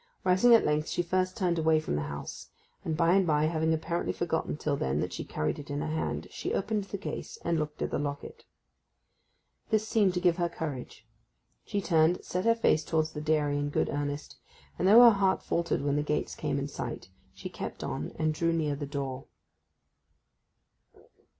Rising at length she first turned away from the house; and, by and by, having apparently forgotten till then that she carried it in her hand, she opened the case, and looked at the locket. This seemed to give her courage. She turned, set her face towards the dairy in good earnest, and though her heart faltered when the gates came in sight, she kept on and drew near the door.